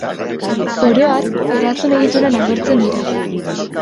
Oro har, eraztun egituran agertzen dira.